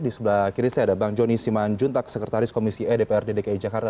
di sebelah kiri saya ada bang joni simanjuntak sekretaris komisi edpr dki jakarta